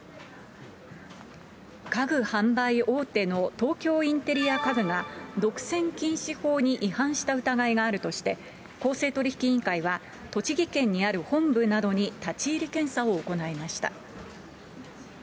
家具販売大手の東京インテリア家具が、独占禁止法に違反した疑いがあるとして、公正取引委員会は、栃木県にある本部などに立ち入り検査を行いました。